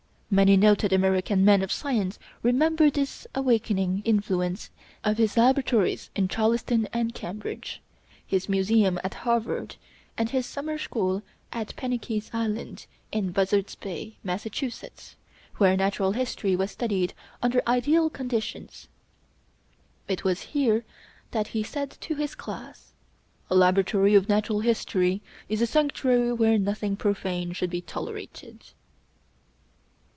Many noted American men of science remember the awakening influence of his laboratories in Charleston and Cambridge, his museum at Harvard, and his summer school at Penikese Island in Buzzard's Bay, Massachusetts, where natural history was studied under ideal conditions. It was here that he said to his class: "A laboratory of natural history is a sanctuary where nothing profane should be tolerated."